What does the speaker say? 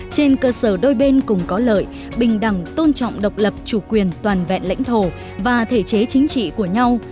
trên cơ sở đôi bên cùng có lợi bình đẳng tôn trọng độc lập chủ quyền toàn vẹn lãnh thổ và thể chế chính trị của nhau